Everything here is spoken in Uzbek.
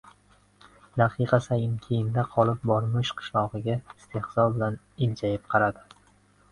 Daqiqa sayin keyinda qolib bormish qishlog‘iga istehzo bilan iljayib qaradi.